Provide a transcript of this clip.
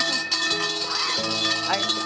はい。